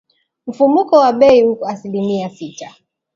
Mfumuko wa bei uko asilimia sita